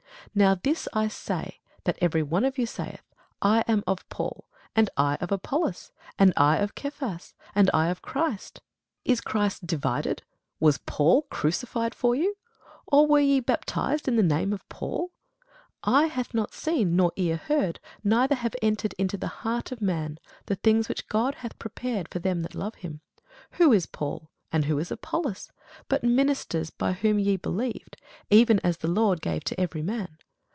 Now this I say, that every one of you saith, I am of Paul; and I of Apollos; and I of Cephas; and I of Christ. Is Christ divided? was Paul crucified for you? or were ye baptized in the name of Paul? Eye hath not seen, nor ear heard, neither have entered into the heart of man, the things which God hath prepared for them that love him. Who is Paul, and who is Apollos, but ministers by whom ye believed, even as the Lord gave to every man?